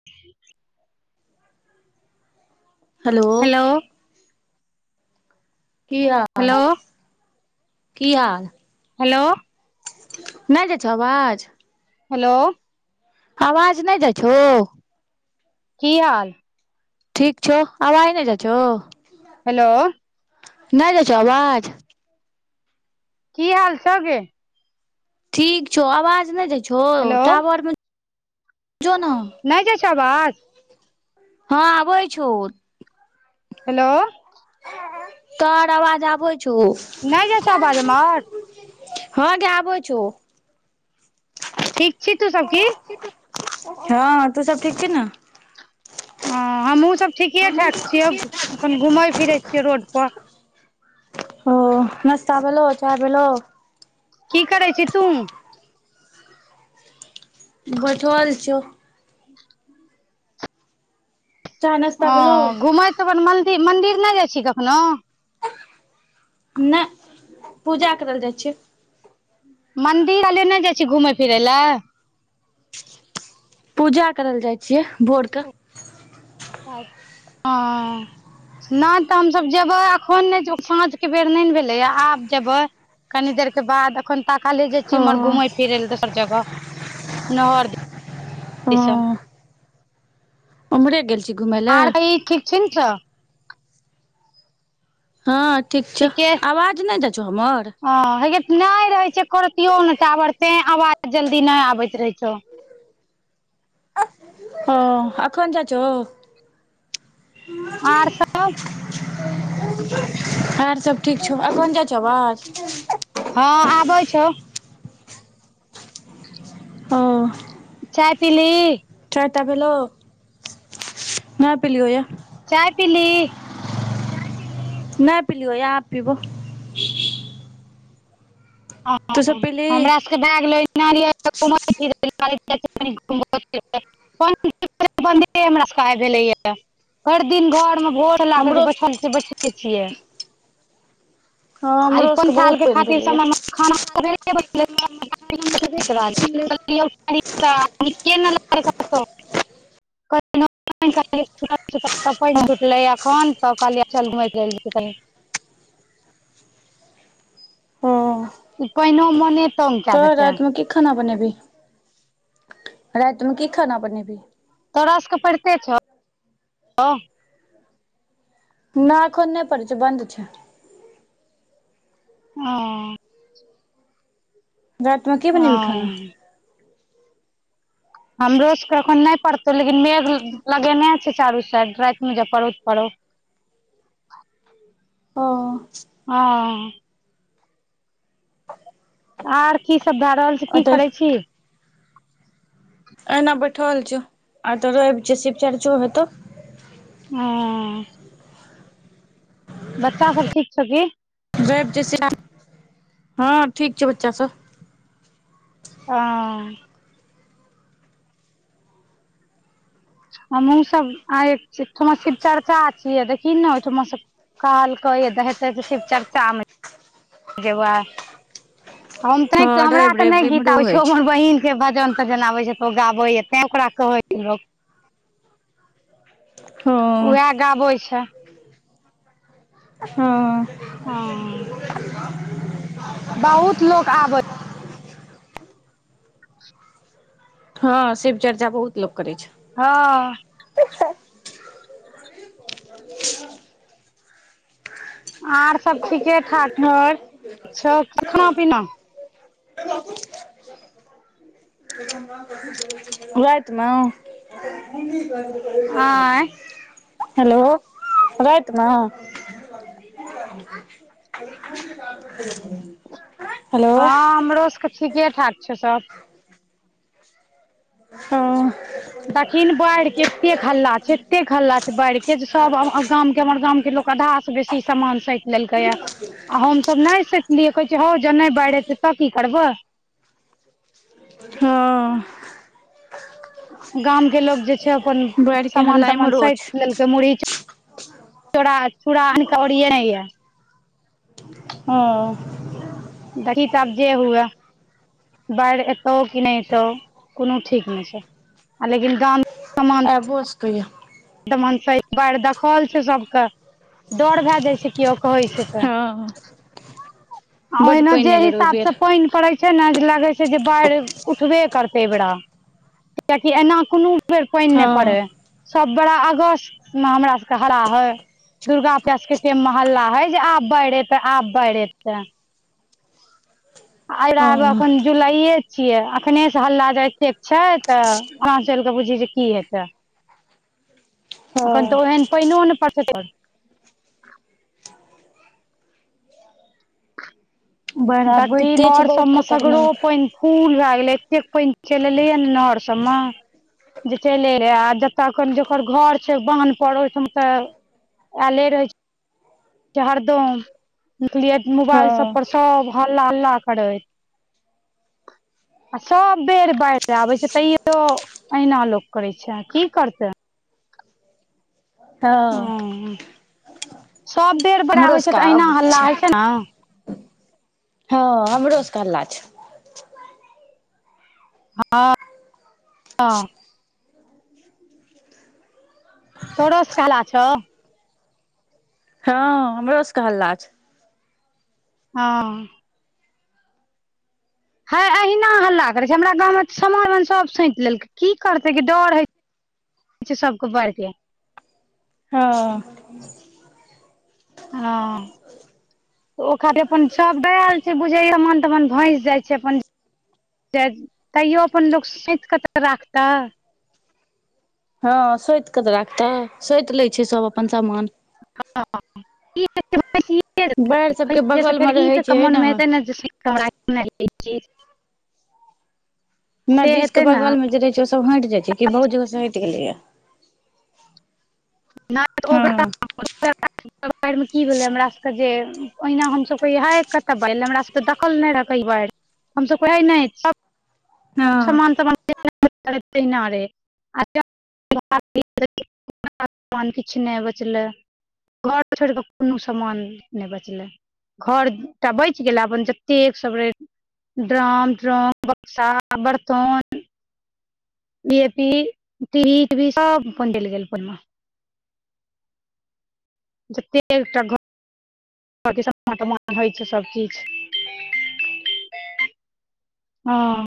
[inaudible] हलो hello की hello हाल की हाल हेलो। नहि जाे छ आवाज। हेलो। आवाज नहि दै छहो। की हाल। ठीक छौ, आब आइ नहि जाइ छौ। हेलो। नहि जाइ छ आवाज। की हाल छ गै। ठीक छौ, आवाज नहि दै छहो हेलो टाॉवरमे छौ ने। नहि जै तो आवाज। हँ आबै छौ। हेलो। तर आवाज आबै छौ। नहि जाइ छो आवाज हमर। हँ गै आबै छौ। ठीक छी तू सब की। हँ तू सब ठीक छै ने। ह हमहुँ सब ठीके ठाक छियैखन घुमए फिरे छियै रोड पर। ओ नस्ता बोलो चाय बोलो। की करै छी तू। बठ आर छौ। चाय नाश्ता ओ भेलौ घुमैत अपन मन्दिर नहि जाइ छी कखनो। नहि पूजा करल जाइ छि। मन्दिर अले नहि जाइ छी घुमय फिरै लए। पूजा करल जाइ छियै भोरके। ह। नहि तऽ हमसभ जेबै अखन नहि साँझ के बेर नहि ने भेलैए आब जेबै। कनी देर के बाद एखन ताकाले जाय छी ओ इमहर घुमय फिरै ल दोसर जगह नहर। हँ उम्हरे गेल छी घुमय लए आर कही ठीक छै ने छऽ। हँ ठीक छौ, ठीके आवाज नहि जै छहो हमर। हँ हे नहि रहै छै, करतियो ने टावर तै आवाज जल्दी नहि आबैत रहै छौ। ह आखन चाच। आर सब आर सब ठीक छौ, आ कोन जाइ छौ बात। हँ आबै छौ। ह। चाय पीली। चारटा भेलो नहि पेलियौ यऽ। चाय पीली। नहि पीलियौ आब पीबो। ह तू सब पीलही हमरा सब। भए गेल नरियल कनी जाछीयै घुमे फिरैला। रा भेले य हरि दिन घर में भोर। लाग हमरो बछल बछबे छियै। हँ आइ हमरो सबके अपन खैल बहुत के पानि खातिर भेलैया समय में। खाना। [unintelligible] [unintelligible] पइन छुटलै एखन तऽ कहलियै, चल घुमै लै छी कनि। ओ ई पैइनो मोने। तंग कए तऽ देतै राइत में कि खाना बनेबी, राइत में कि खाना बनेबी। तोरा सबके पइड़ते छौ, औ। नाय एखन नहि पड़ै छै, बन्द छै। औ। राइत में की बनेबी खाना। हमरोसके एखन नहि पड़तौ लेकिन मेघ। लगेने छै, चारू साइड राइत में जे पड़ौ तऽ पड़ौ। ओ। हँ। आर की सब भए रहल छै, अ की तऽ करै छी। एहिना बैठल छियौ, आय तऽ रैब छै शिव-चर्चो हेतौ। हँ। बच्चा सब ठीक छौ की। रैब जे शिव च, हँ ठीक छौ बच्चा सब। आ। हमहुँ सब आय, एकठमा शिव चर्चा छियै, देखी न ओहिठमा स। कहलक य हतैऽ शिवचर्चा में। जेबै, हम तैं हँ हमरा रवि तऽ रवि के नहि गीत इम्हरो आबै होइ छौ छै हमर बहिन। के भजन-तजन आबै छै तऽ ओ गाबैए, तैं ओकरा कहै छै लोक। हँ। गाबोइ छै। हँ। हँ। [inaudible] बहुत लोक आबै। हँ, शिवचर्चा बहुत लोक करै छै। हँ। आर सब ठीके-ठाक हँ छौ, खाना-पीना। [inaudible] राइत में। आँय हेलो, राइत में। [unintelligible] [unintelligible] हेलो हँ, हमरो सबके ठीके-ठाक छै सब। हँ दखिन बाइढ़ के एतेक हल्ला छै, एतेक हल्ला छै बाइढ़ के, जे सब अब गाम के हमर गाम के लोक। अधा सँ बेसी समान सैंत लेलकैय। आ हमसभ नहि सैंतलियै, कहै छियै हौ ज नहि बाइढ़ तऽ की करबऽ। हँ गाम के लोग जे छै अपन बाढ़ि के हल्ला समान-तमान इम्हरो सैत छै लेल। कय मुरही, चू चोड़ा, चूड़ा आनिकऽ ओरिएने ये। ओ। देखी तऽ आब जे हुए। बाइढ़ एतौ कि नै एतौ कुनो ठीक नै छैय लेकिन गाम आइबो सके ये। तऽ मन पइ बाइढ़ देखल छैय सबके डर भए जाइ छैय किओ कहै छैय ते हँ बड्ड ओहिना पानि जे एलै रौ एहि हिसाब बेर पैन पड़े छैय ने जे लागे छैय जे बाढ़ि उठबे करते ये बेड़ा कियकि एना कोनो एक बेर पाइन नहि हँ पड़े सब बड़ा अगस्त मे हमरा सबके हरा है दुर्गा पूजा स के टाइम मे हल्ला है जे आब बाइढ एतै आब बाइढ एतै। आब हँ एखन जुलाइए छियै अखने से हल्ला जा एते छै तऽ अगा चल कऽ बुझी जे की हेतै अखन हँ तऽ ओहेन पाइनो ने परसे त बाढ़ि आब बाकी बुझिते छै नओर बहुत सब मे सागरो खतरनाक पैन फूल भए गेले एतेक पैन चैल एले या ने नहर सब मे। जे चले रहे आ जतय कनि जकर घर छैय बान्ह पर ओहिठाम तऽ आले रहे छैय जे हरदम देख लिये हँ मोबाइल सब पर सब हल्ला हल्ला करै [unintelligible] आ सब बेर बाढ़ि आबे छैय तैयो अहिना लोक करे छै की करते। हँ ह सब बेर बादढ हमरो आबै सबके छैय तऽ अहिना हल्ला छै होइ छैय ने। हँ हमरो सबके हल्ला छैय। हँ। हँ। तोरो सऽ कऽ हाला छौय। हँ हमरो सऽ कऽ हल्ला छैय। हँ। हैय अहिना हल्ला करे छैय हमरा गाँव मे समान उमान सब सैत लेलकै की करतै गे डर हय से सबके बऽर के हँ। हँ। ओ खातिर अपन सब द आयल छैय बुझै मन तऽ मन भैस जाइ छैय अपन तैयो अपन लोक सईत कऽ तऽ राखता। हँ सोतिकऽ तऽ राखतै सोति लै छैय सब अपन समान। हँ। [unintelligible] फेर बाढ़ि सबके बगल मे ई रहै तऽ छै क मोनमे हेतै ने कमरा के नई ई चीज नदीश के हेतै ने बगल मे जे रहे छैय ओ सब हट जाय छैय की बहुत जगह से हटि गेले या नै [unintelligible] हँ बाढ़मे की भेलै हमर सभके जे ओहिना हमसभ कह हा कतऽ बढ़ हमरासके देखल नहि रहै एहि बाढ़ि। हमसब कही एने छैय। हँ समान तमान [unintelligible] [unintelligible] मान किछु नहि बचलै। घोर छोड़ि कऽ कोनो समान नहि बचलै। घरटा बच गेला अपन जतेक सब रे ड्रम ट्रम बक्सा आ बर्तन व ए पी टीवी सब फोन देल गेल फोनमे। जतेक एकटा घ [unintelligible] होइ छैय सभकीछ हँ।